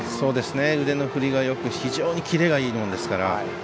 腕の振りがよく非常にキレがいいものですから。